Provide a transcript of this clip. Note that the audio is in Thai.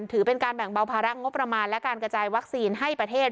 ถือเป็นการแบ่งเบาภาระงบประมาณและการกระจายวัคซีนให้ประเทศ